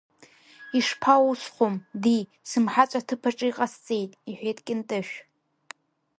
Ишԥаусхәым, ди, сымҳаҵә аҭыԥаҿы иҟасҵеит, — иҳәеит Кьынтышә.